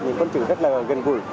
những con chữ rất là gần gũi